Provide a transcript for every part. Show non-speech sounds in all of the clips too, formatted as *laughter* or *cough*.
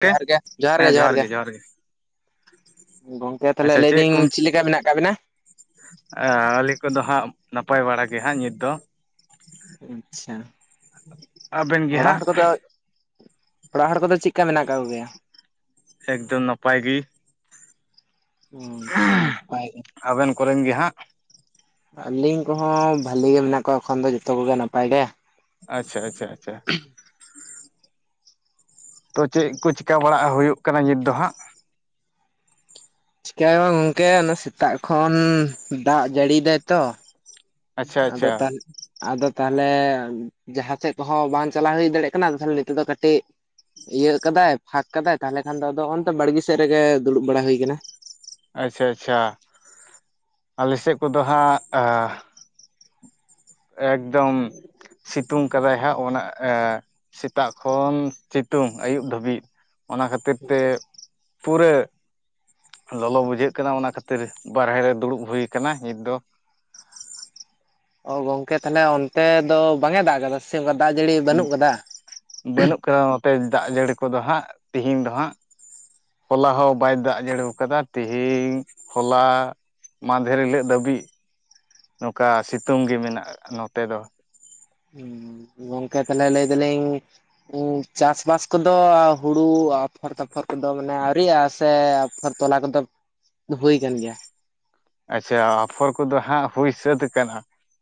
ᱠᱮ ᱡᱚᱦᱟᱨ ᱜᱮ᱾ᱡᱚᱦᱟᱨ ᱜᱮ, ᱡᱚᱦᱟᱨ ᱜᱮ ᱜᱚᱝᱠᱮ ᱛᱷᱟᱞᱮ ᱟᱪᱪᱷᱟ ᱞᱟᱹᱭ ᱫᱤᱧ ᱪᱤᱜ ᱞᱮᱠᱟ ᱢᱮᱱᱟᱜ ᱟᱠᱟᱜ ᱵᱮᱱᱟ? ᱟᱞᱤ ᱠᱚᱫᱚ ᱦᱟᱸᱜ ᱱᱟᱯᱟᱭ ᱵᱟᱲᱟ ᱜᱮ ᱦᱟᱸᱜ ᱱᱤᱛ ᱫᱚ᱾ ᱩᱸᱪᱪᱷᱟ, ᱟᱵᱮᱱ ᱜᱮ ᱚᱲᱟᱜ ᱦᱟᱸᱜ ᱦᱚᱲ ᱠᱚᱫᱚ ᱚᱲᱟᱜ ᱦᱚᱲ ᱠᱚᱫᱚ ᱪᱤᱜ ᱠᱟ ᱢᱮᱱᱟᱜ ᱟᱠᱟᱜ ᱠᱚᱜᱮᱭᱟ? ᱮᱠᱫᱚᱢ ᱱᱟᱯᱟᱭ ᱜᱤ᱾ ᱚ ᱟᱪᱷᱟ ᱱᱟᱯᱟᱭ ᱜᱮ᱾ ᱟᱵᱮᱱ ᱠᱚᱨᱮᱱ ᱜᱮ ᱦᱟᱸᱜ ᱟᱹᱞᱤᱧ ᱠᱚᱦᱚᱸ ᱵᱷᱟᱹᱞᱤ ᱜᱮ ᱢᱮᱱᱟᱜ ᱠᱚᱣᱟ ᱮᱠᱷᱚᱱ ᱫᱚ ᱡᱚᱛᱚ ᱠᱚᱜᱮ ᱱᱟᱯᱟᱭ ᱜᱮ᱾ ᱟᱪᱷᱟ ᱟᱪᱷᱟ ᱟᱪᱷᱟ ᱛᱚ ᱪᱮᱜ ᱠᱚ ᱪᱤᱠᱟ ᱵᱟᱲᱟᱜ ᱦᱩᱭᱩᱜ ᱠᱟᱱᱟ ᱱᱤᱛ ᱫᱚ ᱦᱟᱸᱜ? ᱪᱤᱠᱟ ᱜᱮ ᱵᱟᱝ ᱜᱚᱝᱠᱮ ᱚᱱᱮ ᱥᱮᱛᱟᱜ ᱠᱷᱚᱱ ᱫᱟᱜ ᱡᱟᱹᱲᱤᱭ ᱫᱟᱭ ᱛᱚ᱾ ᱟᱪᱪᱷᱟ ᱟᱫᱚ ᱟᱪᱪᱷᱟ ᱛᱟᱞ ᱟᱫᱚ ᱛᱟᱦᱞᱮ ᱡᱟᱦᱟᱸ ᱥᱮᱫ ᱠᱚᱦᱚᱸ ᱵᱟᱝ ᱪᱟᱞᱟᱣ ᱦᱩᱭ ᱫᱟᱲᱮᱭᱮᱜ ᱠᱟᱱᱟ, ᱛᱟᱦᱚᱞᱮ ᱱᱤᱛᱚᱜ ᱫᱚ ᱠᱟᱹᱴᱤᱡ ᱤᱭᱟᱹᱜ ᱠᱟᱫᱟᱭ ᱯᱷᱟᱸᱠ ᱠᱟᱫᱟᱭ ᱛᱟᱦᱚᱞᱮ ᱠᱷᱟᱱ ᱫᱚ ᱟᱫᱚ ᱚᱱᱛᱮ ᱵᱟᱲᱜᱮ ᱥᱮᱫ ᱨᱮᱜᱮ ᱫᱩᱲᱩᱵ ᱵᱟᱲᱟ ᱦᱩᱭ ᱟᱠᱟᱱᱟ᱾ ᱟᱪᱪᱷᱟ ᱟᱪᱪᱷᱟ, ᱟᱞᱮ ᱥᱮᱫ ᱠᱚᱫᱚ ᱦᱟᱸᱜ ᱟᱸ ᱮᱠᱫᱚᱢ ᱥᱤᱛᱩᱝ ᱠᱟᱫᱟᱭ ᱦᱟᱸᱜ ᱚᱱᱮ ᱟᱸ ᱥᱮᱛᱟᱜ ᱠᱷᱚᱱ ᱥᱤᱛᱩᱝ‌ ᱟᱹᱭᱩᱵ ᱫᱷᱟᱹᱵᱤᱡ ᱚᱱᱟ ᱠᱷᱟᱹᱛᱤᱨ ᱛᱮ ᱯᱩᱨᱟᱹ ᱞᱚᱞᱚ ᱵᱩᱡᱷᱟᱹᱜ ᱠᱟᱱᱟ ᱚᱱᱟ ᱠᱷᱟᱹᱛᱤᱨ ᱵᱟᱨᱦᱮ ᱨᱮ ᱫᱩᱲᱩᱵ ᱦᱩᱭ ᱟᱠᱟᱱᱟ ᱱᱤᱛ ᱫᱚ᱾ ᱚ ᱜᱚᱝᱠᱮ ᱛᱟᱦᱞᱮ ᱚᱱᱛᱮ ᱫᱚ ᱵᱟᱝ ᱮ ᱫᱟᱜ ᱟᱠᱟᱫᱟ ᱥᱮ ᱚᱱᱠᱟ ᱫᱟᱜ ᱡᱟᱹᱲᱤ ᱵᱟᱹᱱᱩᱜ ᱟᱠᱟᱫᱟ᱾ ᱛᱮ ᱫᱟᱜ ᱡᱟᱹᱲᱤ ᱠᱚᱫᱚ ᱦᱟᱸᱜ ᱛᱤᱦᱤᱧ ᱫᱚ ᱦᱟᱸᱜ ᱦᱚᱞᱟ ᱦᱚᱸ ᱵᱟᱭ ᱫᱟᱜ ᱡᱟᱹᱲᱤ ᱟᱠᱟᱫᱟ ᱛᱮᱦᱤᱧ ᱦᱚᱞᱟ ᱢᱟᱫᱷᱮᱨ ᱦᱤᱞᱟᱹᱜ ᱫᱷᱟᱹᱵᱤᱡ ᱱᱚᱝᱠᱟ ᱥᱤᱛᱩᱝ ᱜᱮ ᱢᱮᱱᱟᱜᱼᱟ ᱱᱚᱛᱮ ᱫᱚ᱾ ᱦᱮ ᱜᱚᱝᱠᱮ ᱛᱟᱦᱞᱮ ᱞᱟᱹᱭ ᱫᱟᱹᱞᱤᱧ ᱠᱩ ᱪᱟᱥ ᱵᱟᱥ ᱠᱚᱫᱚ ᱦᱩᱲᱩ ᱟᱯᱷᱚᱨ ᱫᱟᱯᱷᱚᱨ ᱠᱚᱫᱚ ᱢᱟᱱᱮ ᱟᱹᱣᱨᱤᱭᱟᱜᱼᱟ ᱥᱮ ᱟᱯᱷᱚᱨ ᱛᱚᱞᱟ ᱠᱚᱫᱚ ᱦᱩᱭ ᱠᱟᱱ ᱜᱮᱭᱟ? ᱟᱪᱪᱷᱟ, ᱟᱯᱷᱚᱨ ᱠᱚᱫᱚ ᱦᱟᱸᱜ ᱦᱩᱭ ᱥᱟᱹᱛ ᱟᱠᱟᱱᱟ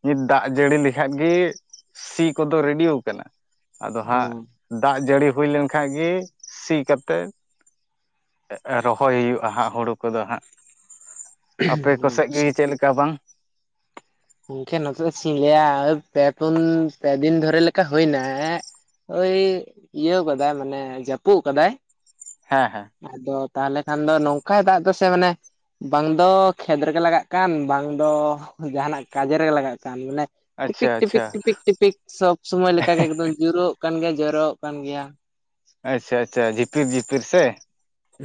ᱱᱤᱛ ᱫᱟᱜ ᱡᱟᱹᱲᱤ ᱞᱮᱠᱷᱟᱡ ᱜᱤ ᱥᱤ ᱠᱚᱫᱚ ᱨᱮᱰᱤᱭᱳ ᱠᱟᱱᱟ ᱟᱫᱚ ᱚ ᱦᱟᱸᱜ ᱫᱟᱜ ᱡᱟᱹᱲᱤ ᱦᱩᱭ ᱞᱮᱱ ᱠᱷᱟᱡ ᱜᱮ, ᱥᱤ ᱠᱟᱛᱮᱫ ᱨᱚᱦᱚᱭ ᱦᱩᱭᱩᱜᱼᱟ ᱦᱟᱸᱜ ᱦᱩᱲᱩ ᱠᱚᱫᱚ ᱦᱟᱸᱜ᱾ ᱟᱯᱮ ᱠᱚ ᱥᱮᱫ ᱜᱮ ᱟᱪᱪᱷᱟ ᱪᱮᱫ ᱞᱮᱠᱟ ᱵᱟᱝ? ᱜᱚᱢᱠᱮ ᱱᱚᱛᱮ ᱫᱚ ᱪᱮᱜ ᱤᱧ ᱞᱟᱹᱭᱟ, ᱳᱭ ᱯᱮ ᱯᱩᱱ ᱯᱮ ᱫᱤᱱ ᱫᱷᱚᱨᱮ ᱞᱮᱠᱟ ᱦᱩᱭᱱᱟ ᱮᱸ ᱳᱭ ᱤᱭᱟᱹ ᱠᱟᱫᱟᱭ ᱢᱟᱱᱮ ᱡᱟᱹᱯᱩᱫ ᱠᱟᱫᱟᱭ ᱦᱮᱸ ᱦᱮᱸ, ᱟᱫᱚ ᱛᱟᱦᱚᱞᱮ ᱠᱷᱟᱱ ᱫᱚ ᱱᱚᱝᱠᱟᱭ ᱫᱟᱜ ᱫᱟᱥᱮ ᱢᱟᱱᱮ ᱵᱟᱝ ᱫᱚ ᱠᱷᱮᱛ ᱨᱮᱜᱮ ᱞᱟᱜᱟᱜ ᱠᱟᱱ ᱵᱟᱝ ᱫᱚ ᱡᱟᱦᱟᱱᱟᱜ ᱠᱟᱡᱮ ᱨᱮ ᱞᱟᱜᱟᱜ ᱠᱟᱱ, ᱢᱟᱱᱮ ᱟᱪᱪᱷᱟ ᱴᱤᱯᱤᱠ ᱴᱤᱯᱤᱠ ᱟᱪᱪᱷᱟ ᱴᱤᱯᱤᱠ ᱴᱤᱯᱤᱠ ᱥᱚᱵᱽ ᱥᱩᱢᱚᱭ ᱞᱮᱠᱟ ᱜᱮ, ᱮᱠᱫᱚᱢ ᱡᱩᱨᱚᱜ ᱠᱟᱱ ᱜᱮᱭᱟ ᱡᱚᱨᱚᱜ ᱠᱟᱱ ᱜᱮᱭᱟ᱾ ᱟᱪᱪᱷᱟ ᱟᱪᱪᱷᱟ ᱡᱷᱤᱯᱤᱨ ᱡᱷᱤᱯᱤᱨ ᱥᱮ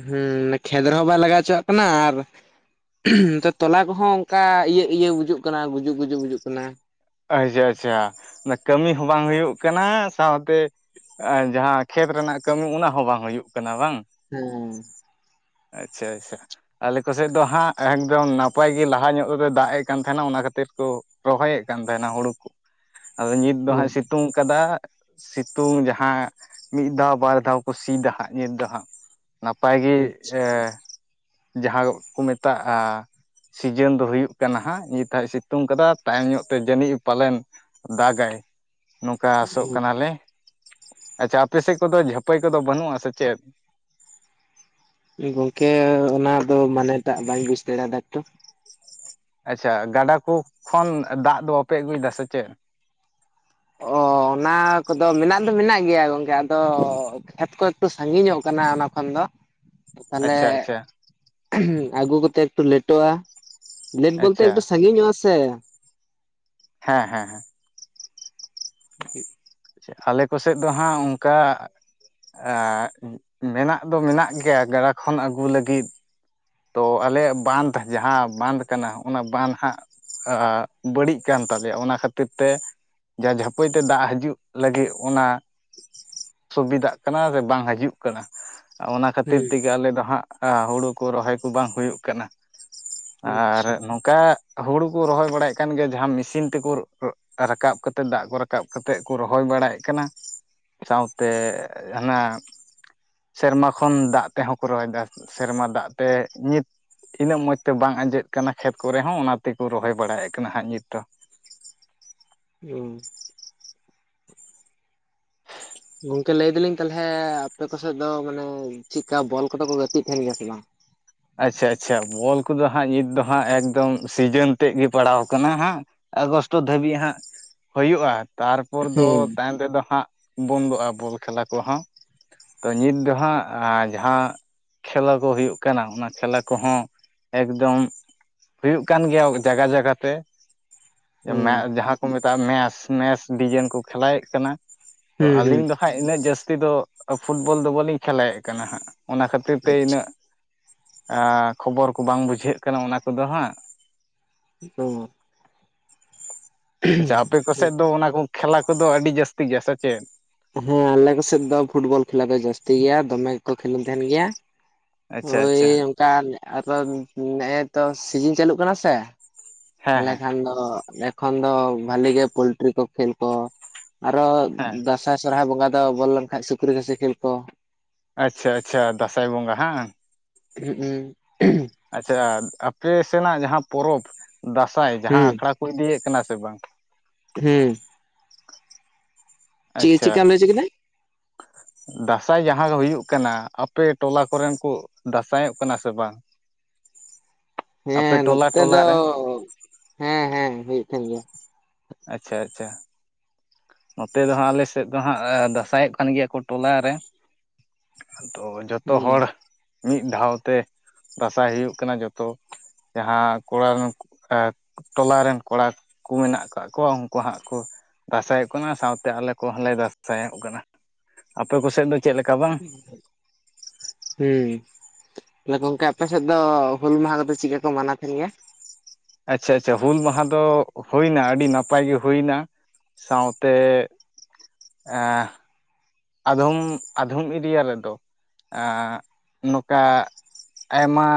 ᱦᱩᱸ ᱠᱷᱮᱛ ᱨᱮᱦᱚᱸ ᱵᱟᱭ ᱞᱟᱜᱟᱣ ᱦᱚᱪᱚᱣᱟᱜ ᱠᱟᱱᱟ ᱟᱨ ᱱᱤᱛᱚᱜ ᱛᱚᱞᱟ ᱠᱚᱦᱚᱸ ᱚᱱᱠᱟ ᱤᱭᱟᱹ ᱤᱭᱟᱹ ᱵᱩᱡᱩᱜ ᱠᱟᱱᱟ ᱜᱩᱡᱩᱜ ᱜᱩᱡᱩᱜ ᱵᱩᱡᱩᱜ ᱠᱟᱱᱟ᱾ ᱟᱪᱪᱷᱟ ᱟᱪᱪᱷᱟ ᱠᱟᱹᱢᱤ ᱦᱚᱸ ᱵᱟᱝ ᱦᱩᱭᱩᱜ ᱠᱟᱱᱟ, ᱥᱟᱶᱛᱮ ᱡᱟᱦᱟᱸ ᱠᱷᱮᱛ ᱨᱮᱱᱟᱜ ᱠᱟᱹᱢᱤ ᱚᱱᱟ ᱦᱚᱸ ᱵᱟᱝ ᱦᱩᱭᱩᱜ ᱠᱟᱱᱟ ᱵᱟᱝ᱾ ᱦᱩᱸᱻ ᱾ ᱟᱪᱪᱷᱟ ᱟᱪᱪᱷᱟ᱾ ᱟᱞᱮ ᱠᱚ ᱥᱮᱫ ᱫᱚ ᱦᱟᱸᱜ ᱮᱠᱫᱚᱢ ᱱᱟᱯᱟᱭ ᱜᱮ ᱞᱟᱦᱟ ᱧᱚᱜ ᱨᱮ ᱫᱟᱜ ᱮᱜ ᱠᱟᱱ ᱛᱟᱦᱮᱱᱟ ᱚᱱᱟ ᱠᱷᱟᱹᱛᱤᱨ ᱠᱩ ᱨᱚᱦᱚᱭᱮᱜ ᱠᱟᱱ ᱛᱟᱦᱮᱱᱟ ᱦᱩᱲᱩ ᱠᱩ ᱟᱫᱚ ᱱᱤᱛ ᱫᱚ ᱚ ᱦᱟᱸᱜ ᱮ ᱥᱤᱛᱩᱝ ᱠᱟᱫᱟ᱾ ᱥᱤᱛᱩᱝ ᱡᱟᱸᱦᱟ ᱢᱤᱫ ᱫᱷᱟᱣ ᱵᱟᱨᱫᱷᱟᱣ ᱠᱚ ᱥᱤ ᱫᱟ ᱦᱟᱸᱜ ᱱᱤᱛ ᱫᱚ ᱦᱟᱸᱜ ᱾ ᱱᱟᱯᱟᱭ ᱜᱤ ᱟᱪᱪᱷᱟ ᱮ ᱡᱟᱦᱟ ᱠᱩ ᱢᱮᱛᱟᱜᱼᱟ ᱾ ᱥᱤᱡᱮᱱ ᱫᱚ ᱦᱩᱭᱩᱜ ᱠᱟᱱᱟ ᱦᱟᱸᱜ ᱱᱤᱛ ᱦᱟᱸᱜ ᱥᱤᱛᱩᱝ ᱠᱟᱫᱟ ᱛᱟᱭᱚᱢ ᱧᱚᱜ ᱛᱮ ᱡᱟᱹᱱᱤᱡ ᱮ ᱯᱟᱞᱮᱱ ᱫᱟᱜᱟᱭ ᱱᱚᱝᱠᱟ ᱟᱸᱥᱚᱜ ᱠᱟᱱᱟᱞᱮ ᱟᱪᱪᱷᱟ ᱟᱯᱮ ᱥᱮᱜ ᱠᱚᱫᱚ ᱡᱷᱟᱹᱯᱟᱹᱭ ᱠᱚᱫᱚ ᱵᱟᱹᱱᱩᱜᱼᱟ ᱥᱮᱪᱮᱫ? ᱜᱚᱝᱠᱮ ᱚᱱᱟ ᱫᱚ ᱢᱟᱱᱮᱴᱟᱜ ᱵᱟᱧ ᱵᱩᱡ ᱫᱟᱲᱮ ᱫᱟ ᱛᱚ, ᱟᱪᱪᱷᱟ ᱜᱟᱰᱟ ᱠᱩ ᱠᱷᱚᱱ ᱫᱟᱜ ᱫᱚ ᱵᱟᱯᱮ ᱟᱹᱜᱩᱭᱮᱫᱟ ᱥᱮᱪᱮᱫ? *inaudible* ᱚ ᱚᱱᱟ ᱠᱚᱫᱚ ᱢᱮᱱᱟᱜ ᱫᱚ ᱢᱮᱱᱟᱜ ᱜᱮᱭᱟ ᱜᱚᱝᱠᱮ ᱟᱫᱚ ᱠᱷᱮᱛ ᱠᱚ ᱮᱠᱴᱩ ᱥᱟᱺᱜᱤᱧᱚᱜ ᱠᱟᱱᱟ ᱚᱱᱟ ᱠᱷᱚᱱ ᱫᱚ ᱾ ᱛᱟᱦᱞᱮ ᱟᱪᱪᱷᱟ ᱟᱪᱪᱷᱟ ᱟᱜᱩ ᱠᱚᱛᱮ ᱮᱠᱴᱩ ᱞᱮᱴᱚᱜᱼᱟ ᱾ ᱞᱮᱴ ᱵᱚᱞᱛᱮ ᱟᱪᱪᱷᱟ ᱮᱠᱴᱩ ᱥᱟᱺᱜᱤᱧᱚᱜᱼᱟ ᱥᱮ, ᱦᱮᱸ ᱦᱮᱸ ᱦᱮᱸ ᱾ *unintelligible* ᱟᱪᱷᱟ ᱟᱞᱮ ᱠᱚ ᱥᱮᱫ ᱫᱚ ᱦᱟᱸᱜ ᱚᱝᱠᱟ ᱟᱸᱜ ᱢᱮᱱᱟᱜ ᱫᱚ ᱢᱮᱱᱟᱜ ᱜᱮᱭᱟ ᱜᱟᱰᱟ ᱠᱷᱚᱱ ᱟᱹᱜᱩ ᱞᱟᱹᱜᱤᱫ ᱛᱚ ᱟᱞᱮᱭᱟᱜ ᱵᱟᱸᱫᱽ ᱡᱟᱦᱟ ᱵᱟᱸᱫᱽ ᱠᱟᱱᱟ ᱚᱱᱟ ᱵᱟᱸᱫᱷ ᱦᱟᱸᱜ ᱟᱜ ᱵᱟᱹᱲᱤᱡ ᱠᱟᱱ ᱛᱟᱞᱮᱭᱟ, ᱚᱱᱟ ᱠᱷᱟᱹᱛᱤᱨ ᱛᱮ ᱡᱟ ᱡᱷᱟᱹᱯᱟᱹᱭ ᱛᱮ ᱫᱟᱜ ᱦᱟᱡᱩᱜ ᱞᱟᱹᱜᱤᱫ ᱚᱱᱟ ᱥᱩᱵᱤᱫᱟᱜ ᱠᱟᱱᱟ ᱥᱮ ᱵᱟᱝ ᱦᱟᱡᱩᱜ ᱠᱟᱱᱟ ᱚᱱᱟ ᱠᱷᱟᱹᱛᱤᱨ ᱦᱮᱸ ᱛᱮᱜᱮ ᱟᱞᱮ ᱫᱚ ᱦᱟᱸᱜ ᱟ ᱦᱩᱲᱩ ᱠᱚ ᱨᱚᱦᱚᱭ ᱠᱚ ᱵᱟᱝ ᱦᱩᱭᱩᱜ ᱠᱟᱱᱟ, ᱟᱨ ᱟᱪᱪᱷᱟ ᱱᱚᱝ ᱠᱟᱜ ᱦᱩᱲᱩ ᱠᱩ ᱨᱚᱦᱚᱭ ᱵᱟᱲᱟᱭᱮᱜ ᱠᱟᱱ ᱜᱮᱭᱟ, ᱡᱟᱦᱟᱸ ᱢᱮᱥᱤᱱ ᱛᱮᱠᱩ ᱨᱟᱠᱟᱵ ᱠᱟᱛᱮᱜ ᱫᱟᱜ ᱠᱚ ᱨᱟᱠᱟᱵ ᱠᱟᱛᱮᱜ ᱠᱚ ᱨᱚᱦᱚᱭ ᱵᱟᱲᱟᱭᱮᱜ ᱠᱟᱱᱟ ᱥᱟᱶᱛᱮ ᱦᱟᱱᱟ ᱥᱮᱨᱢᱟ ᱠᱷᱚᱱ ᱫᱟᱜ ᱛᱮᱦᱚᱸ ᱠᱚ ᱨᱚᱦᱚᱭ ᱫᱟ, ᱥᱮᱨᱢᱟ ᱫᱟᱜ ᱛᱮ ᱱᱤᱛ ᱤᱱᱟᱹᱜ ᱢᱚᱸᱡ ᱛᱮ ᱵᱟᱝ ᱟᱸᱡᱮᱫ ᱠᱟᱱᱟ ᱠᱷᱮᱛ ᱠᱚᱨᱮ ᱦᱚᱸ ᱚᱱᱟ ᱛᱮᱠᱚ ᱨᱚᱦᱚᱭ ᱵᱟᱲᱟᱭᱮᱜ ᱠᱟᱱᱟ ᱦᱟᱸᱜ ᱱᱤᱛ ᱫᱚ᱾ ᱩᱸ᱾ ᱜᱚᱝᱠᱮ ᱞᱟᱹᱭ ᱫᱟᱹᱞᱤᱧ ᱛᱟᱦᱚᱞᱮ ᱟᱯᱮ ᱠᱚᱥᱮᱫ ᱫᱚ ᱢᱟᱱᱮ ᱪᱤᱜᱠᱟ ᱵᱚᱞ ᱠᱚᱫᱚ ᱠᱚ ᱜᱟᱛᱤᱜ ᱛᱟᱦᱮᱱ ᱜᱮᱭᱟ ᱥᱮ ᱵᱟᱝ? ᱟᱪᱪᱷᱟ ᱟᱪᱪᱷᱟ, ᱵᱚᱞ ᱠᱚᱫᱚ ᱦᱟᱸᱜ ᱱᱤᱛ ᱫᱚ ᱦᱟᱸᱜ ᱮᱠᱫᱚᱢ ᱥᱤᱡᱮᱱ ᱛᱮᱜ ᱜᱤ ᱯᱟᱲᱟᱣ ᱟᱠᱟᱱᱟ ᱦᱟᱸᱜ᱾ ᱟᱜᱚᱥᱴ ᱴᱚ ᱫᱷᱟᱹᱵᱤᱡ ᱦᱟᱸᱜ ᱦᱩᱭᱩᱜᱼᱟ, ᱛᱟᱨᱯᱚᱨ ᱫᱚ ᱦᱮᱸ ᱛᱟᱭᱚᱢ ᱛᱮᱫᱚ ᱦᱟᱸᱜ ᱵᱚᱱᱫᱚᱜᱼᱟ ᱵᱚᱞ ᱠᱷᱮᱞᱟ ᱠᱚᱦᱚᱸ᱾ ᱛᱚ ᱱᱤᱛ ᱫᱚ ᱦᱟᱸᱜ ᱟ ᱡᱟᱦᱟᱸ ᱠᱷᱮᱞᱳ ᱠᱚ ᱦᱩᱭᱩᱜ ᱠᱟᱱᱟ ᱚᱱᱟ ᱠᱷᱮᱞᱟ ᱠᱚᱦᱚᱸ ᱮᱠᱫᱚᱢ ᱦᱩᱭᱩᱜ ᱠᱟᱱ ᱜᱮᱭᱟ ᱡᱟᱜᱟ ᱡᱟᱜᱟ ᱛᱮ᱾ ᱦᱩᱸ ᱡᱟᱸᱦᱟ ᱠᱚ ᱢᱮᱛᱟᱜᱼᱟ ᱢᱮᱥ, ᱢᱮᱥ ᱰᱤᱡᱮᱱ ᱠᱚ ᱠᱷᱮᱞᱟᱭᱮᱜ ᱠᱟᱱᱟ, ᱛᱚ ᱦᱩᱸ ᱦᱩᱸ ᱟᱞᱤᱧ ᱫᱚ ᱠᱷᱟᱡ ᱤᱱᱟᱹᱜ ᱡᱟᱹᱥᱛᱤ ᱫᱚ ᱯᱷᱩᱴᱵᱚᱞ ᱫᱚ ᱵᱟᱹᱞᱤᱧ ᱠᱷᱮᱞᱟᱭᱮᱜ ᱠᱟᱱᱟ ᱦᱟᱸᱜ, ᱚᱱᱟ ᱠᱷᱟᱹᱛᱤᱨ ᱛᱮ ᱟᱪᱪᱷᱟ ᱤᱱᱟᱹᱜ ᱟᱸ ᱠᱷᱚᱵᱚᱨ ᱠᱚ ᱵᱟᱝ ᱵᱩᱡᱷᱟᱹᱜ ᱠᱟᱱᱟ ᱚᱱᱟ ᱠᱚᱫᱚ ᱦᱟᱸᱜ᱾ *unintelligible* ᱟᱪᱪᱷᱟ ᱟᱯᱮ ᱠᱚᱥᱮᱫ ᱫᱚ ᱚᱱᱟ ᱠᱚ ᱠᱷᱮᱞᱟ ᱠᱚᱫᱚ ᱟᱹᱰᱤ ᱡᱟᱹᱥᱛᱤ ᱜᱮᱭᱟ ᱥᱮ ᱪᱮᱫ? ᱦᱮᱸ ᱟᱞᱮ ᱠᱚ ᱥᱮᱜ ᱫᱚ ᱯᱷᱩᱴᱵᱚᱞ ᱠᱷᱮᱞᱟ ᱫᱚ ᱡᱟᱹᱥᱛᱤ ᱜᱮᱭᱟ, ᱫᱚᱢᱮ ᱜᱮᱠᱚ ᱠᱷᱮᱞᱮᱱ ᱛᱟᱦᱮᱸᱱ ᱜᱮᱭᱟ᱾ ᱟᱪᱪᱷᱟ ᱦᱳᱭ ᱟᱪᱪᱷᱟ ᱚᱱᱠᱟ ᱟᱫᱚ ᱱᱮᱜᱼᱮ ᱛᱚ ᱥᱤᱡᱤᱱ ᱪᱟᱹᱞᱩᱜ ᱠᱟᱱᱟ ᱥᱮ, ᱦᱮᱸ ᱛᱟᱦᱞᱮ ᱦᱮᱸ ᱠᱷᱟᱱ ᱫᱚ ᱮᱠᱷᱚᱱ ᱫᱚ ᱵᱷᱟᱞᱤ ᱜᱮ ᱯᱳᱞᱴᱨᱤ ᱠᱚ ᱠᱷᱮᱞ ᱠᱚ ᱟᱨᱚ ᱦᱮᱸ ᱫᱟᱸᱥᱟᱭ ᱥᱚᱨᱦᱟᱭ ᱵᱚᱸᱜᱟ ᱫᱚ ᱵᱚᱞᱚ ᱞᱮᱱᱠᱷᱟᱡ ᱥᱩᱠᱨᱤ ᱠᱷᱟᱹᱥᱤ ᱠᱷᱮᱞ ᱠᱚ ᱟᱪᱪᱷᱟ ᱟᱪᱪᱷᱟ ᱫᱟᱸᱥᱟᱭ ᱵᱚᱸᱜᱟ ᱦᱟᱸᱝ? ᱦᱩᱸᱜ ᱩᱸ᱾ ᱟᱪᱪᱷᱟ ᱟᱯᱮ ᱥᱮᱱᱟᱜ ᱡᱟᱦᱟ ᱯᱚᱨᱚᱵ ᱫᱟᱸᱥᱟᱭ ᱡᱟᱦᱟ ᱦᱩᱸ ᱟᱠᱷᱲᱟ ᱠᱚ ᱤᱫᱤᱭᱮᱜ ᱠᱟᱱᱟ ᱥᱮ ᱵᱟᱝ? ᱦᱩᱸ᱾ ᱪᱮᱫ ᱟᱪᱪᱷᱟ᱾ ᱪᱮᱫᱠᱟᱢ ᱞᱟᱹᱭ ᱦᱚᱪᱚ ᱠᱮᱫᱟ ᱫᱟᱸᱥᱟᱭ ᱡᱟᱦᱟᱸ ᱦᱩᱭᱩᱜ ᱠᱟᱱᱟ ᱟᱯᱮ ᱴᱚᱞᱟ ᱠᱚᱨᱮᱱ ᱠᱩ ᱫᱟᱸᱥᱟᱭᱚᱜ ᱠᱟᱱᱟ ᱥᱮ ᱵᱟᱝ? *inaudible* ᱦᱮᱸ ᱟᱯᱮ ᱴᱚᱞᱟ ᱱᱚᱛᱮ ᱴᱚᱞᱟ ᱫᱚ ᱨᱮ ᱦᱮᱸ ᱦᱮᱸ ᱦᱩᱭᱩᱜ ᱠᱟᱱ ᱜᱮᱭᱟ᱾ ᱟᱪᱪᱷᱟ ᱟᱪᱪᱷᱟ᱾ ᱱᱚᱛᱮ ᱫᱚ ᱦᱟᱸᱜ ᱟᱞᱮᱥᱮᱫ ᱫᱚ ᱦᱟᱸᱜ ᱫᱟᱸᱥᱟᱭᱚᱜ ᱠᱟᱱ ᱜᱮᱭᱟ ᱠᱚ ᱴᱚᱞᱟ ᱨᱮ᱾ ᱟᱫᱚ ᱡᱚᱛᱚ ᱦᱩᱸ ᱦᱚᱲ ᱢᱤᱫ ᱫᱷᱟᱣ ᱛᱮ ᱫᱟᱸᱥᱟᱭ ᱦᱩᱭᱩᱜ ᱠᱟᱱᱟ ᱡᱷᱚᱛᱚ ᱡᱟᱦᱟᱸ ᱠᱚᱲᱟ *unintelligible* ᱴᱚᱞᱟ ᱨᱮᱱ ᱠᱚᱲᱟ ᱠᱩ ᱢᱮᱱᱟᱜ ᱠᱟᱜ ᱠᱚᱣᱟ ᱩᱱᱠᱩ ᱦᱟᱸᱜ ᱠᱩ ᱫᱟᱥᱟᱸᱟᱭᱚᱜ ᱠᱚᱢᱟ ᱥᱟᱶᱛᱮ ᱟᱞᱮ ᱠᱚᱦᱚᱸᱞᱮ ᱫᱟᱥᱟᱭᱚᱜ ᱠᱟᱱᱟ, ᱟᱯᱮ ᱠᱚᱥᱮᱫ ᱫᱚ ᱪᱮᱫ ᱞᱮᱠᱟ ᱵᱟᱝ ᱦᱩᱸ᱾ ᱜᱚᱝᱠᱮ ᱟᱯᱮ ᱥᱮᱫ ᱫᱚ ᱦᱩᱞ ᱢᱟᱦᱟ ᱠᱚᱫᱚ ᱪᱮᱫᱠᱟ ᱠᱚ ᱢᱟᱱᱟᱣ ᱠᱮᱫ ᱜᱮᱭᱟ? ᱟᱪᱪᱷᱟ ᱟᱪᱪᱷᱟ ᱦᱩᱞ ᱢᱟᱦᱟ ᱫᱚ ᱦᱩᱭᱱᱟ ᱟᱹᱰᱤ ᱱᱟᱯᱟᱭ ᱜᱮ ᱦᱩᱭᱱᱟ᱾ ᱥᱟᱶᱛᱮ ᱮᱸᱻ ᱟᱫᱚᱢ ᱟᱫᱷᱚᱢ ᱤᱫᱤᱭᱟ ᱨᱮᱫᱚ ᱱᱚᱝᱠᱟ ᱟᱭᱢᱟ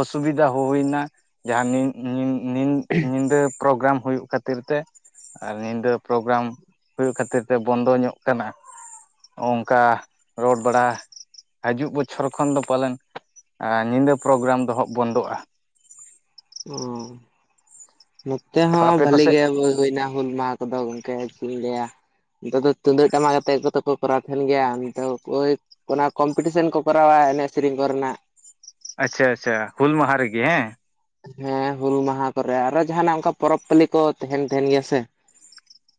ᱚᱥᱩᱵᱤᱫᱷᱟ ᱦᱩᱭ ᱮᱱᱟ᱾ ᱡᱟᱦᱟᱸ ᱧᱤ, ᱧᱤ, ᱧᱤᱫᱟᱹ ᱯᱳᱨᱳᱜᱮᱨᱟᱢ ᱦᱩᱭᱩᱜ ᱠᱷᱟᱹᱛᱤᱨ ᱛᱮ᱾ ᱟᱨ ᱧᱤᱫᱟᱹ ᱯᱳᱨᱳᱜᱮᱨᱟᱢ ᱦᱩᱭᱩᱜ ᱠᱷᱟᱹᱛᱤᱨ ᱛᱮ ᱵᱚᱱᱫᱚ ᱧᱚᱜ ᱠᱟᱱᱟ᱾ ᱚᱱᱠᱟ ᱨᱚᱲ ᱵᱟᱲᱟ ᱦᱟᱡᱩᱜ ᱵᱚᱪᱷᱚᱨ ᱠᱷᱚᱱ ᱫᱚ ᱯᱟᱞᱮᱱ ᱟᱸᱻ ᱧᱤᱫᱟᱹ ᱯᱳᱨᱳᱜᱮᱨᱟᱢ ᱫᱚᱦᱚᱵ ᱵᱚᱱᱫᱚᱜ-ᱟ᱾ ᱦᱩᱸ ᱱᱚᱛᱮ ᱦᱚᱸ ᱟᱯᱮ ᱵᱷᱷᱟᱞᱤ ᱠᱚᱥᱮᱫ ᱜᱮ ᱵ ᱦᱩᱭᱱᱟ ᱦᱩᱞ ᱢᱟᱦᱟ ᱠᱚᱫᱚ ᱜᱚᱝᱠᱮ ᱪᱮ ᱤᱧ ᱞᱟᱹᱭᱟ᱾ ᱱᱟᱛᱮ ᱫᱚ ᱛᱩᱢᱫᱟᱹᱜ ᱴᱟᱢᱟᱠ ᱟᱛᱮᱫ ᱜᱮᱛᱚ ᱠᱚᱨᱟᱣ ᱛᱟᱦᱮᱱ ᱜᱮᱭᱟ ᱱᱤᱛ ᱚᱭ ᱚᱱᱟ ᱠᱚᱢᱯᱤᱴᱤᱥᱚᱱ ᱠᱚ ᱠᱚᱨᱟᱣᱼᱟ᱾ ᱮᱱᱮᱡ ᱥᱮᱨᱮᱧ ᱠᱚᱨᱮᱱᱟᱜ᱾ ᱟᱪᱪᱷᱟ ᱟᱪᱪᱷᱟ ᱦᱩᱞ ᱢᱟᱦᱟ ᱨᱮᱜᱮ ᱦᱮᱸ᱾ ᱦᱮᱸ ᱦᱩᱞ ᱢᱟᱦᱟ ᱠᱚᱨᱮ ᱟᱨᱚ ᱡᱟᱦᱱᱟᱜ ᱚᱱᱠᱟ ᱯᱚᱨᱚᱵᱽ ᱯᱟᱹᱞᱤ ᱠᱚ ᱛᱟᱦᱮᱱ ᱛᱟᱦᱮᱱ ᱜᱮᱭᱟ ᱥᱮ᱾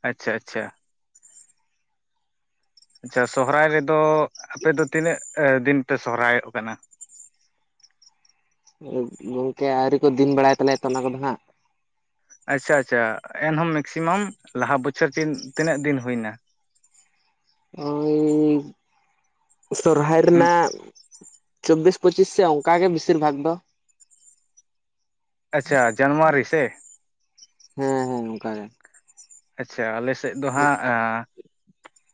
ᱟᱪᱪᱷᱟ ᱟᱪᱪᱷᱟ ᱟᱪᱪᱷᱟ ᱥᱚᱦᱚᱨᱟᱭ ᱨᱮᱫᱚ ᱟᱯᱮ ᱫᱚ ᱛᱤᱱᱟᱹᱜ ᱫᱤᱱ ᱯᱮ ᱥᱚᱦᱚᱨᱟᱭᱚᱜ ᱠᱟᱱᱟ? ᱜᱚᱝᱠᱮ ᱟᱹᱣᱨᱤ ᱠᱚ ᱫᱤᱱ ᱵᱟᱲᱟᱭ ᱛᱟᱞᱮᱭᱟ ᱛᱚ ᱚᱱᱟ ᱠᱚᱫᱚ ᱦᱟᱸᱜ᱾ ᱟᱪᱪᱷᱟ ᱟᱪᱪᱷᱟ ᱮᱱᱦᱚᱢ ᱢᱮᱠᱥᱤᱢᱟᱢ ᱞᱟᱦᱟ ᱵᱚᱪᱷᱚᱨ ᱛᱤᱱᱟᱹᱜ ᱫᱤᱱ ᱦᱩᱭᱱᱟ᱾ ᱳᱝ ᱥᱚᱨᱦᱟᱭ ᱨᱮᱱᱟᱜ ᱪᱚᱵᱽᱵᱤᱥ ᱯᱚᱸᱪᱤᱥ ᱥᱮ ᱚᱱᱠᱟᱟᱜ ᱜᱮ ᱵᱮᱥᱤᱨ ᱵᱷᱟᱜᱽ ᱫᱚ᱾ ᱟᱪᱪᱷᱟ ᱡᱟᱱᱩᱣᱟᱨᱤ ᱥᱮ? ᱦᱮᱸ ᱦᱮᱸ ᱚᱱᱠᱟ ᱜᱮ᱾ ᱟᱪᱪᱷᱟ ᱟᱞᱮ ᱥᱮᱫ ᱫᱚ ᱦᱟᱸᱜ ᱟᱸᱻ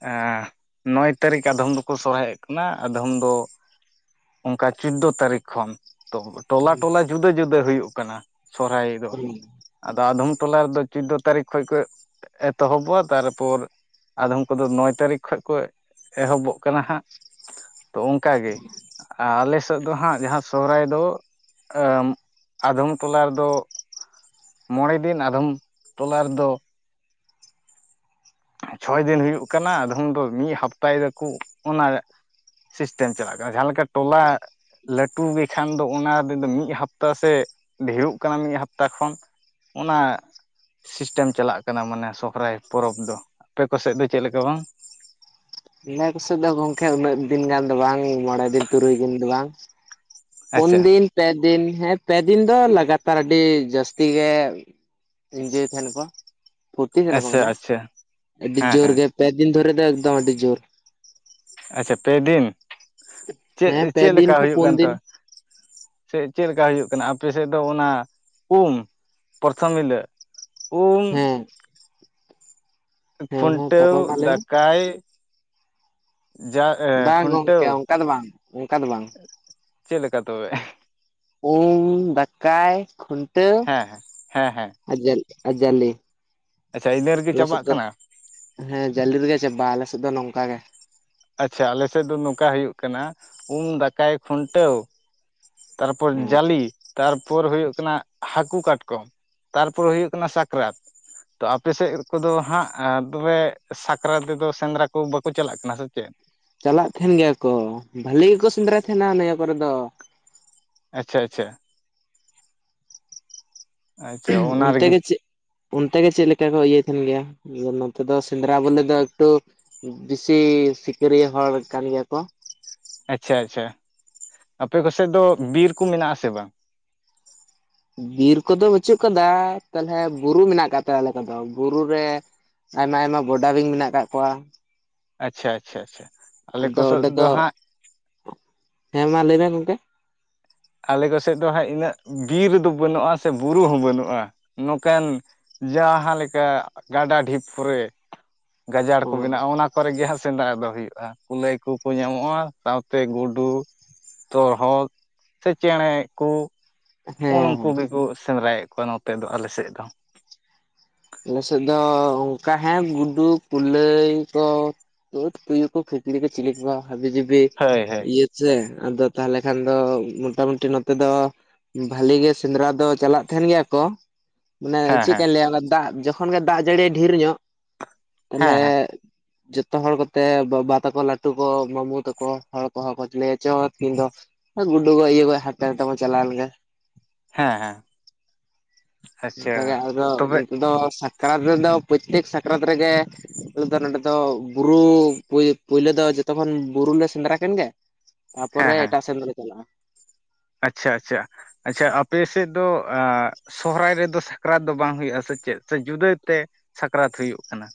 ᱟᱸᱻ ᱱᱚᱭ ᱛᱟᱹᱨᱤᱠᱷ ᱟᱫᱷᱚᱢ ᱫᱚᱠᱚ ᱥᱚᱨᱦᱟᱭᱮᱫ ᱠᱟᱱᱟ ᱟᱫᱷᱚᱢ ᱫᱚ ᱚᱱᱠᱟ ᱪᱳᱫᱚ ᱛᱟᱹᱨᱤᱠᱷ ᱠᱷᱚᱱ ᱫᱚ ᱴᱚᱞᱟ ᱴᱚᱞᱟ ᱡᱩᱫᱟᱹ ᱡᱩᱫᱟᱹ ᱦᱩᱭᱩᱜ ᱠᱟᱱᱟ ᱥᱚᱨᱦᱟᱭ ᱫᱚ᱾ ᱟᱫᱚ ᱟᱫᱷᱚᱢ ᱴᱚᱞᱟ ᱨᱮᱫᱚ ᱪᱳᱫᱚ ᱛᱟᱹᱨᱤᱠᱷ ᱠᱷᱚᱡ ᱠᱷᱚ ᱮᱛᱚᱦᱚᱵᱚᱜ-ᱟ ᱛᱟᱨᱯᱚᱨ ᱟᱫᱷᱚᱢ ᱠᱚᱫᱚ ᱱᱚᱭ ᱛᱟᱹᱨᱤᱠᱷ ᱠᱷᱚᱡ ᱠᱚ ᱮᱦᱚᱵᱚᱜ ᱠᱟᱱᱟ ᱦᱟᱸᱜ᱾ ᱛᱚ ᱚᱱᱠᱟ ᱜᱮ ᱟᱞᱮ ᱥᱮ ᱱᱤᱛᱚᱜ ᱫᱚ ᱦᱟᱸᱜ ᱡᱟᱦᱟᱸ ᱥᱚᱦᱚᱨᱟᱭ ᱫᱚ ᱟᱹᱢ ᱟᱫᱷᱚᱢ ᱴᱚᱞᱟ ᱨᱮᱫᱚ ᱢᱚᱬᱮᱸ ᱫᱤᱱ ᱟᱫᱚᱢ ᱴᱚᱞᱟ ᱨᱮᱫᱚ ᱪᱷᱚᱭ ᱫᱤᱱ ᱦᱩᱭᱩᱜ ᱠᱟᱱᱟ ᱟᱫᱷᱚᱢ ᱫᱚ ᱢᱤᱫ ᱦᱟᱯᱛᱟᱭ ᱫᱚᱠᱚ ᱚᱱᱟ ᱥᱤᱥᱴᱮᱢ ᱪᱟᱞᱟᱜ ᱠᱟᱱᱟ ᱡᱟᱦᱟᱸ ᱞᱮᱠᱟ ᱴᱚᱞᱟ ᱞᱟᱹᱴᱩ ᱜᱮᱠᱷᱟᱱ ᱫᱚ ᱚᱱᱟ ᱨᱮᱫᱚ ᱢᱤᱫ ᱦᱟᱯᱛᱟ ᱥᱮ ᱰᱷᱮᱨᱚᱜ ᱠᱟᱱᱟ ᱢᱤᱫ ᱦᱟᱯᱛᱟ ᱠᱷᱚᱱ᱾ ᱚᱱᱟ ᱥᱤᱥᱴᱮᱢ ᱪᱟᱞᱟᱜ ᱠᱟᱱᱟ ᱢᱟᱱᱮ ᱥᱚᱦᱨᱟᱭ ᱯᱚᱨᱚᱵᱽ ᱫᱚ᱾ ᱟᱯᱮ ᱠᱚᱥᱮᱫ ᱫᱚ ᱪᱮᱫ ᱞᱮᱠᱟ ᱵᱟᱝ? ᱟᱞᱮ ᱠᱚᱥᱮᱫ ᱫᱚ ᱜᱚᱝᱠᱮ ᱩᱱᱟᱹᱜ ᱫᱤᱱ ᱜᱟᱱ ᱫᱚ ᱵᱟᱝ, ᱢᱚᱬᱮᱸ ᱫᱤᱱ ᱛᱩᱨᱩᱭ ᱫᱤᱱ ᱫᱚ ᱵᱟᱝ ᱯᱩᱱ ᱟᱪᱪᱷᱟ ᱫᱤᱱ ᱯᱮ ᱫᱤᱱ ᱦᱮᱸ ᱯᱮ ᱫᱤᱱ ᱫᱚ ᱞᱟᱜᱟᱛᱟᱲ ᱟᱹᱰᱤ ᱡᱟᱹᱥᱛᱤ ᱜᱮ ᱤᱡᱟᱹᱭ ᱛᱟᱦᱮᱸᱱ ᱟᱠᱚ ᱯᱷᱩᱨᱛᱤ ᱛᱟᱦᱮᱸᱱᱟᱠᱚ ᱟᱪᱪᱷᱟ ᱢᱟᱱᱮ, ᱟᱪᱪᱷᱟ ᱟᱹᱰᱤ ᱦᱮᱸ ᱡᱳᱨ ᱦᱮᱸ ᱜᱮ ᱯᱮ ᱫᱤᱱ ᱫᱷᱚᱨᱮ ᱫᱚ ᱮᱠᱫᱚᱢ ᱟᱹᱰᱤ ᱡᱳᱨ᱾ ᱟᱪᱪᱷᱟ ᱯᱮ ᱫᱤᱱ ᱪᱮᱫ ᱦᱮᱸ ᱯᱮ ᱪᱮᱫ ᱫᱤᱱ ᱞᱮᱠᱟ ᱠᱷᱚᱱ ᱦᱩᱭᱩᱜ ᱯᱩᱱ ᱠᱟᱱ ᱛᱚ ᱫᱤᱱ ᱪᱮᱫ ᱪᱮᱫ ᱞᱮᱠᱟ ᱦᱩᱭᱩᱜ ᱠᱟᱱᱟ ᱟᱯᱮ ᱥᱮᱫ ᱫᱚ ᱚᱱᱟ ᱩᱢ ᱯᱚᱨᱛᱷᱚᱢ ᱦᱤᱞᱟᱹᱜ? ᱩᱢ ᱦᱮᱸ ᱦᱮᱸ ᱦᱮᱸ ᱠᱷᱩᱱᱴᱟᱹᱣ ᱛᱟᱯᱚᱨ ᱢᱟ ᱞᱟᱹᱭ ᱢᱮ ᱫᱟᱠᱟᱭ ᱡᱟ ᱮ ᱵᱟᱝ ᱠᱷᱩᱱᱴᱟᱹᱣ ᱜᱚᱝᱠᱮ ᱚᱱᱠᱟ ᱫᱚ ᱵᱟᱝ ᱚᱱᱠᱟ ᱫᱚ ᱵᱟᱝ ᱪᱮᱫ ᱞᱮᱠᱟ ᱛᱚᱵᱮ? ᱩᱢ, ᱫᱟᱠᱟᱭ, ᱠᱷᱩᱱᱴᱟᱹᱣ ᱦᱮᱸ ᱦᱮᱸ ᱦᱮᱸ ᱦᱮᱸ ᱟᱨ ᱡᱟᱞᱮ ᱡᱟᱞᱮ ᱟᱪᱪᱷᱟ ᱤᱱᱟᱹ ᱨᱮᱜᱮ ᱟᱞᱮ ᱥᱮᱫ ᱪᱟᱵᱟᱜ ᱫᱚ ᱠᱟᱱᱟ? ᱦᱮᱸ ᱡᱟᱹᱞᱤ ᱨᱮᱜᱮ ᱪᱟᱵᱟᱜᱼᱟ ᱟᱞᱮ ᱥᱮᱫ ᱫᱚ ᱱᱚᱝᱠᱟ ᱜᱮ᱾ ᱟᱪᱪᱷᱟ ᱟᱞᱮ ᱥᱮᱫ ᱫᱚ ᱱᱚᱝᱠᱟ ᱦᱩᱭᱩᱜ ᱠᱟᱱᱟ ᱩᱢ, ᱫᱟᱠᱟᱭ, ᱠᱷᱩᱱᱴᱟᱹᱣ ᱛᱟᱨᱯᱚᱨ ᱦᱚᱸ ᱡᱟᱞᱤ ᱛᱟᱨᱯᱚᱨ ᱦᱩᱭᱩᱜ ᱠᱟᱱᱟ ᱦᱟᱹᱠᱩ ᱠᱟᱴᱠᱚᱢ ᱛᱟᱨᱯᱚᱨᱮ ᱦᱩᱭᱩᱜ ᱠᱟᱱᱟ ᱥᱟᱠᱨᱟᱛ᱾ ᱛᱚ ᱟᱯᱮ ᱥᱮᱫ ᱠᱚᱫᱚ ᱦᱟᱸᱜ ᱛᱚᱵᱮ ᱥᱟᱠᱨᱟᱛ ᱨᱮᱫᱚ ᱥᱮᱸᱫᱽᱨᱟ ᱠᱚ ᱵᱟᱠᱚ ᱪᱟᱞᱟᱜ ᱠᱟᱱᱟ ᱥᱮ ᱪᱮᱫ? ᱪᱟᱞᱟᱜ ᱛᱟᱦᱮᱸᱱ ᱜᱮᱭᱟ ᱠᱚ᱾ ᱵᱷᱟᱹᱞᱤ ᱜᱮᱠᱚ ᱥᱮᱸᱫᱽᱨᱟᱭ ᱛᱟᱦᱮᱸᱱᱟ᱾ ᱱᱤᱭᱟᱹ ᱠᱚᱨᱮ ᱫᱚ ᱟᱪᱪᱷᱟ, ᱟᱪᱪᱷᱟ᱾ ᱟᱪᱪᱷᱟ ᱚᱱᱟ ᱚᱱᱛᱮ ᱨᱮᱜᱮ ᱜᱮ ᱪᱮᱫ ᱚᱱᱛᱮ ᱜᱮ ᱪᱮᱫ ᱞᱮᱠᱟ ᱠᱚ ᱤᱭᱟᱹᱭ ᱛᱟᱦᱮᱸᱱ ᱜᱮᱭᱟ᱾ ᱱᱚᱛᱮ ᱫᱚ ᱥᱮᱸᱫᱽᱨᱟ ᱵᱚᱞᱮ ᱫᱚ ᱮᱠᱴᱩ ᱵᱤᱥᱤ ᱥᱤᱠᱟᱹᱨᱤᱭᱟᱹ ᱦᱚᱲ ᱠᱟᱱ ᱜᱮᱭᱟ ᱠᱚ᱾ ᱟᱪᱪᱷᱟ ᱟᱪᱪᱷᱟ, ᱟᱯᱮ ᱠᱚᱥᱮᱫ ᱫᱚ ᱵᱤᱨ ᱠᱚ ᱢᱮᱱᱟᱜᱼᱟ ᱥᱮ ᱵᱟᱝ? ᱵᱤᱨ ᱠᱚᱫᱚ ᱵᱟᱹᱪᱩᱜ ᱠᱟᱫᱟ᱾ ᱛᱟᱞᱦᱮ ᱵᱩᱨᱩ ᱢᱮᱱᱟᱜ ᱠᱟᱜ ᱛᱟᱞᱮᱭᱟ᱾ ᱟᱞᱮ ᱠᱚᱫᱚ ᱵᱩᱨᱩ ᱨᱮ ᱟᱭᱢᱟ ᱟᱭᱢᱟ ᱵᱚᱰᱟᱵᱤᱧ ᱢᱮᱱᱟᱜ ᱟᱠᱟᱫ ᱠᱚᱣᱟ᱾ ᱟᱪᱪᱷᱟ, ᱟᱪᱪᱷᱟ, ᱟᱪᱪᱷᱟ᱾ ᱟᱞᱮ ᱟᱫᱚ ᱠᱚᱥᱮᱫ ᱚᱸᱰᱮ ᱫᱚ, ᱦᱟᱸᱜ ᱦᱮᱸ ᱢᱟ ᱞᱟᱹᱭ ᱢᱮ ᱜᱚᱝᱠᱮ᱾ ᱟᱞᱮ ᱠᱚᱥᱮᱫ ᱫᱚ ᱦᱟᱸᱜ ᱤᱱᱟᱹᱜ ᱵᱤᱨ ᱫᱚ ᱵᱟᱹᱱᱩᱜᱼᱟ ᱥᱮ ᱵᱩᱨᱩ ᱦᱚᱸ ᱵᱟᱹᱱᱩᱜᱼᱟ᱾ ᱱᱚᱝᱠᱟᱱ ᱡᱟᱦᱟᱸ ᱞᱮᱠᱟ ᱜᱟᱰᱟ ᱰᱷᱤᱯ ᱠᱚᱨᱮ ᱜᱟᱡᱟᱲ ᱚ ᱠᱚ ᱢᱮᱱᱟᱜᱼᱟ᱾ ᱚᱱᱟ ᱠᱚ ᱚᱨᱮ ᱜᱮ ᱦᱟᱸᱜ ᱥᱮᱸᱫᱽᱨᱟ ᱫᱚ ᱦᱩᱭᱩᱜᱼᱟ᱾ ᱠᱩᱞᱟᱹᱭ ᱠᱚ ᱠᱚ ᱧᱟᱢᱚᱜᱼᱟ᱾ ᱥᱟᱶᱛᱮ ᱜᱩᱰᱩ ᱛᱚᱨᱦᱚᱫ, ᱥᱮ ᱪᱮᱬᱮ ᱠᱚ ᱦᱮᱸ ᱩᱱ ᱩᱱᱩᱠᱩ ᱦᱮᱸ ᱜᱮᱠᱚ ᱥᱮᱸᱫᱽᱨᱟᱭᱮᱫ ᱠᱚᱣᱟ ᱱᱚᱛᱮ ᱫᱚ, ᱟᱞᱮ ᱥᱮᱫ ᱫᱚ᱾ ᱟᱞᱮ ᱥᱮᱫ ᱫᱚ ᱚᱱᱠᱟ ᱦᱮᱸ ᱜᱩᱰᱩ ᱠᱩᱞᱟᱹᱭ ᱠᱚ ᱛᱩᱭᱩ ᱠᱚ ᱠᱷᱤᱠᱲᱤ ᱠᱚ, ᱪᱤᱞᱤ ᱠᱚ, ᱦᱟᱹᱵᱤ ᱡᱟᱹᱵᱤ ᱦᱳᱭ ᱦᱳᱭ ᱤᱭᱟᱹ ᱥᱮ ᱟᱫᱚ ᱛᱟᱦᱞᱮ ᱠᱷᱟᱱ ᱫᱚ ᱢᱚᱴᱟ ᱢᱩᱴᱤ ᱱᱚᱛᱮ ᱫᱚ ᱵᱷᱟᱹᱞᱤ ᱜᱮ ᱥᱮᱸᱫᱽᱨᱟ ᱫᱚ ᱪᱟᱞᱟᱜ ᱛᱟᱦᱮᱸᱱ ᱜᱮᱭᱟ ᱠᱚ᱾ ᱢᱟᱱᱮ ᱦᱮᱸ ᱪᱮᱫ ᱦᱮᱸ ᱞᱮᱠᱟᱹᱧ ᱞᱟᱹᱭᱟ, ᱫᱟᱜ ᱡᱚᱠᱷᱚᱱ ᱜᱮ ᱫᱟᱜ ᱡᱟᱹᱲᱤᱭᱟᱭ ᱰᱷᱮᱨ ᱧᱚᱜ, ᱛᱟᱦᱞᱮ ᱦᱮᱸ ᱦᱮᱸ ᱡᱚᱛᱚ ᱦᱚᱲ ᱠᱚᱛᱮ ᱵᱟᱵᱟ ᱛᱟᱠᱚ, ᱞᱟᱹᱴᱩ ᱠᱚ, ᱢᱟᱢᱩ ᱛᱟᱠᱚ, ᱦᱚᱲ ᱠᱚᱦᱚ ᱠᱚ, ᱞᱟᱹᱭᱟ ᱪᱚ ᱛᱮᱦᱮᱧ ᱫᱚ ᱜᱩᱰᱩ ᱜᱚᱡ ᱤᱭᱟᱹ ᱜᱚᱡ ᱦᱟᱱᱛᱮ ᱱᱟᱛᱮ ᱵᱚ ᱪᱟᱞᱟᱣ ᱞᱮᱱ ᱜᱮ ᱦᱮᱸ ᱦᱮᱸ᱾ ᱟᱪᱪᱷᱟ ᱚᱱᱠᱟ ᱜᱮ ᱟᱫᱚ ᱛᱚᱵᱮ ᱱᱤᱛᱚᱜ ᱫᱚ ᱥᱟᱠᱨᱟᱛ ᱨᱮᱫᱚ ᱯᱨᱚᱛᱛᱮᱠ ᱥᱟᱠᱨᱟᱛ ᱨᱮᱜᱮ ᱟᱞᱮ ᱫᱚ ᱱᱚᱰᱮ ᱫᱚ ᱵᱩᱨᱩ ᱯᱳᱭᱞᱳ ᱫᱚ ᱡᱚᱛᱚ ᱠᱷᱚᱱ ᱵᱩᱨᱩ ᱞᱮ ᱥᱮᱸᱫᱽᱨᱟ ᱠᱟᱱ ᱜᱮ ᱦᱮᱸ ᱛᱟᱯᱚᱨᱮ ᱦᱮᱸ ᱮᱴᱟᱜ ᱥᱮᱱ ᱫᱚ ᱞᱮ ᱪᱟᱞᱟᱜᱼᱟ᱾ ᱟᱪᱪᱷᱟ, ᱟᱪᱪᱷᱟ, ᱟᱪᱪᱷᱟ᱾ ᱟᱯᱮ ᱥᱮᱫ ᱫᱚ ᱟᱸ ᱥᱚᱦᱨᱟᱭ ᱨᱮᱫᱚ ᱥᱟᱠᱨᱟᱛ ᱫᱚ ᱵᱟᱝ ᱦᱩᱭᱩᱜᱼᱟ ᱥᱮ ᱪᱮᱫ ᱥᱮ ᱡᱩᱫᱟᱹ ᱛᱮ ᱥᱟᱠᱨᱟᱛ ᱦᱩᱭᱩᱜ ᱠᱟᱱᱟ?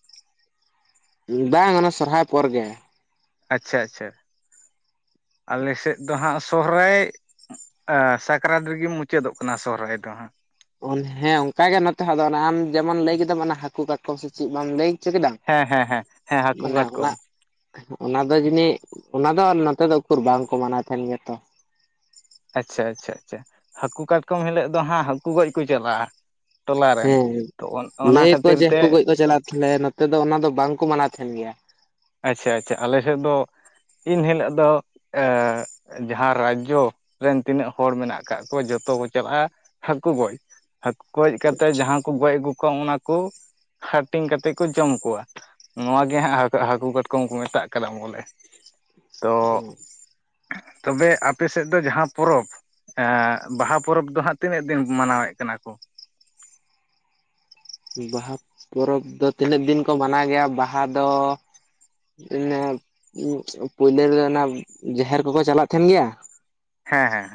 ᱵᱟᱝ ᱚᱱᱟ ᱥᱚᱨᱦᱟᱭ ᱯᱚᱨ ᱜᱮ᱾ ᱟᱪᱪᱷᱟ, ᱟᱪᱪᱷᱟ᱾ ᱟᱞᱮ ᱥᱮᱫ ᱫᱚ ᱦᱟᱸᱜ ᱥᱚᱦᱨᱟᱭ ᱥᱟᱠᱨᱟᱛ ᱨᱮᱜᱮ ᱢᱩᱪᱟᱹᱫᱚᱜ ᱠᱟᱱᱟ ᱥᱚᱦᱨᱟᱭ ᱫᱚ ᱦᱟᱸᱜ᱾ ᱦᱮᱸ ᱚᱱᱠᱟ ᱜᱮ ᱱᱚᱛᱮ ᱦᱚᱸ ᱟᱢ ᱡᱮᱢᱚᱱ ᱞᱟᱹᱭ ᱠᱮᱫᱟᱢ ᱚᱱᱟ ᱦᱟᱹᱠᱩ ᱠᱟᱴᱠᱚᱢ ᱥᱮ ᱪᱮᱫ ᱵᱟᱢ ᱞᱟᱹᱭ ᱪᱟᱹ ᱠᱮᱫᱟ ᱦᱮᱸ ᱦᱮᱸ ᱦᱮᱸ ᱦᱮᱸ ᱦᱟᱹᱠᱩ ᱢᱟᱱᱮ ᱠᱟᱴᱠᱚᱢ ᱚᱱᱟ ᱚᱱᱟ ᱫᱚ ᱡᱟᱹᱱᱤ ᱚᱱᱟ ᱫᱚ ᱱᱚᱛᱮ ᱫᱚ ᱩᱠᱩᱨ ᱵᱟᱝ ᱠᱚ ᱢᱟᱱᱟᱣ ᱛᱟᱦᱮᱸᱱ ᱜᱮᱭᱟ ᱛᱚ ᱾ ᱟᱪᱪᱷᱟ ᱟᱪᱪᱷᱟ ᱟᱪᱪᱷᱟ ᱦᱟᱹᱠᱩ ᱠᱟᱴᱠᱚᱢ ᱦᱤᱞᱟᱹᱜ ᱫᱚ ᱦᱟᱸᱜ ᱦᱟᱹᱠ- ᱠᱩ ᱜᱚᱡ ᱠᱚ ᱪᱟᱞᱟᱜᱼᱟ ᱴᱚᱞᱟ ᱨᱮᱱ, ᱛᱚ ᱚᱱ ᱚᱱᱟ ᱠᱷᱟᱹᱛᱤᱨ ᱛᱮ ᱛᱚ ᱪᱟᱞᱟᱜᱼᱟ *unintelligible* ᱛᱮᱫᱚ ᱚᱱᱟ ᱫᱚ ᱵᱟᱝ ᱠᱚ ᱢᱟᱱᱟᱣ ᱛᱟᱦᱮᱸᱱ ᱜᱮᱭᱟ, ᱟᱪᱪᱷᱟ ᱟᱪᱪᱷᱟ ᱟᱞᱮᱥᱮᱫ ᱫᱚ ᱤᱱᱦᱤᱞᱟᱹᱜ ᱫᱚ ᱮᱸ ᱮᱸ ᱡᱟᱦᱟᱸ ᱨᱟᱡᱽᱭᱚ ᱨᱮᱱ ᱛᱤᱱᱟᱹᱜ ᱦᱚᱲ ᱢᱮᱱᱟᱜ ᱠᱟᱜ ᱠᱚᱣᱟ ᱡᱚᱛᱚ ᱠᱚ ᱪᱟᱞᱟᱜᱼᱟ ᱦᱟᱹᱠᱩ ᱜᱚᱡ᱾ ᱦᱟᱹᱠᱩ ᱠᱚ ᱚᱡ ᱠᱟᱛᱮ ᱡᱟᱦᱟᱸ ᱠᱚ ᱜᱚᱡ ᱟᱹᱜᱩ ᱠᱚ ᱚᱱᱟ ᱠᱚ ᱦᱟᱴᱤᱧ ᱠᱟᱛᱮ ᱠᱚ ᱡᱚᱢ ᱠᱚᱣᱟ ᱱᱚᱣᱟ ᱜᱮ ᱦᱟᱸᱜ ᱦᱟᱠ- ᱠᱚ ᱦᱟᱹᱠᱩ ᱠᱟᱴᱠᱚᱢ ᱠᱚ ᱢᱮᱛᱟᱜ ᱠᱟᱱᱟ ᱵᱚᱞᱮ ᱛᱚᱜ ᱛᱚᱵᱮ ᱟᱯᱮᱥᱮᱫ ᱫᱚ ᱡᱟᱦᱟᱸ ᱯᱚᱨᱚᱵᱽ ᱦᱮᱸ ᱵᱟᱦᱟ ᱯᱚᱨᱚᱵᱽ ᱫᱚ ᱦᱟᱸᱜ ᱛᱤᱱᱟᱹᱜ ᱫᱤᱱ ᱢᱟᱱᱟᱣᱮᱫ ᱠᱟᱱᱟ ᱠᱚ? ᱵᱟᱦᱟᱯ ᱯᱚᱨᱚᱵᱽ ᱫᱚ ᱛᱤᱱᱟᱹᱜ ᱫᱤᱱ ᱠᱚ ᱢᱟᱱᱟᱣ ᱜᱮᱭᱟ ᱵᱟᱦᱟ ᱫᱚ ᱮᱱᱟᱹᱯ ᱩᱸ ᱯᱩᱭᱞᱮᱰ ᱫᱚ ᱚᱱᱟ ᱡᱟᱦᱮᱨ ᱠᱚᱠᱚ ᱪᱟᱞᱟᱜ ᱛᱟᱦᱮᱸᱱ ᱜᱮᱭᱟ? ᱦᱮᱸ ᱦᱮᱸ ᱦᱮᱸ,